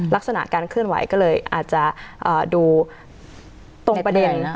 ลักษณะการเคลื่อนไหวก็เลยอาจจะดูตรงประเด็น